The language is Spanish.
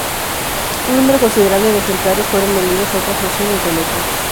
Un número considerable de ejemplares fueron vendidos a otras naciones del Eje.